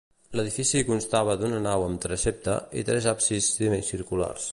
L'edifici constava d'una nau amb transsepte i tres absis semicirculars.